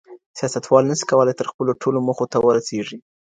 سياستوال نسي کولای تل خپلو ټولو موخو ته ورسېږي.